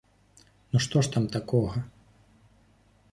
Ну што ж там такога?